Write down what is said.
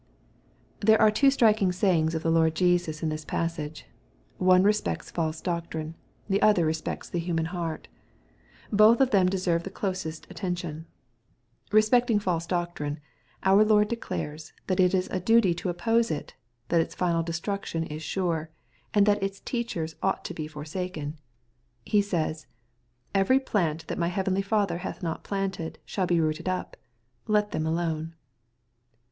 Thebe are two striking sayings of the Lord Jesus in this passage. One respects false doctrine. The other respects the human heart. Both of them deserve the closest at* tention. Bespecting false doctrine, our Lord declares, that it is a duty to oppose itj that its final destruction is sure, and that its teachers ought to he forsaken. He says, " Every plant that my heavenly Father hath not planted, shall be rooted up. Let them alone."